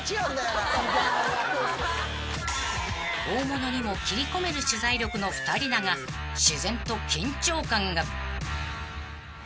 ［大物にも切り込める取材力の２人だが自然と緊張感が］